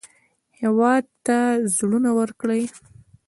هېواد ته زړونه ورکړئ